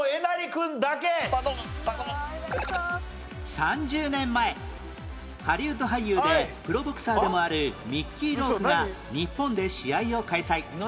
３０年前ハリウッド俳優でプロボクサーでもあるミッキー・ロークが日本で試合を開催